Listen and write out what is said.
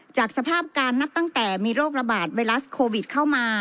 จากสภาพการนับตั้งแต่มีโรคระบาดไวรัสโควิดเข้ามา